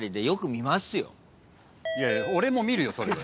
いや俺も見るよ。